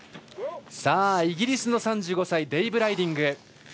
イギリスの３５歳デイブ・ライディング。